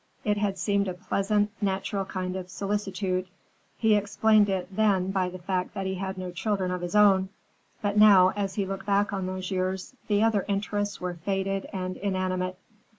It had seemed a pleasant, natural kind of solicitude. He explained it then by the fact that he had no children of his own. But now, as he looked back at those years, the other interests were faded and inanimate.